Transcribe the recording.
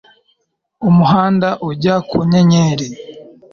umuhanda ujya ku nyenyeri